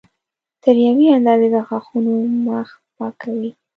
تر یوې اندازې د غاښونو مخ پاکوي.